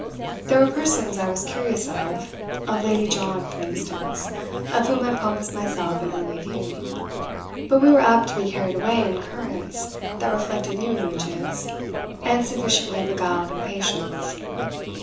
There were persons I was curious of of Lady John, for instance, of whom I promised myself an early view; but we were apt to be carried away in currents that reflected new images and sufficiently beguiled impatience.